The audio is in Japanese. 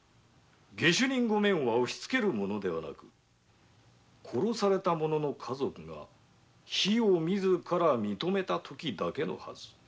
「下手人御免」は押しつけるものではなく殺された者の家族が非を自ら認めたときだけのはず。